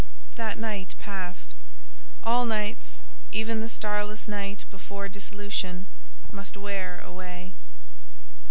That night passed: all nights—even the starless night before dissolution—must wear away.